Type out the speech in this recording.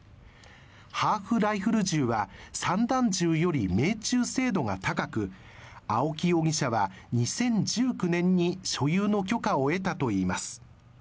ハーフライフル銃は散弾銃より命中精度が高く青木容疑者は２０１９年に所有の許可を得たといいます。